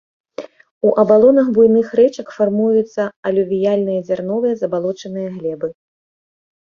У абалонах буйных рэчак фармуюцца алювіяльныя дзярновыя забалочаныя глебы.